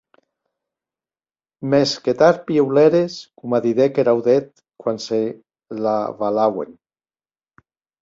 Mès que tard piulères, coma didec er audèth quan se l’avalauen.